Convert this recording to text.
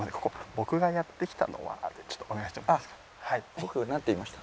「僕がやって来たのは」でちょっとお願いしてもいいですか？